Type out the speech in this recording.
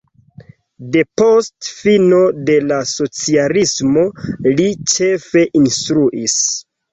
Depost fino de la socialismo li ĉefe instruis.